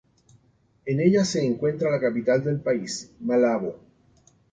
En ella se encuentra la capital del país, Malabo.